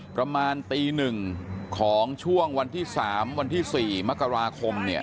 ประมาณตี๑ของช่วงวันที่๓วันที่๔มกราคมเนี่ย